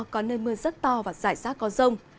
có nơi mưa rất to và rải rác có rông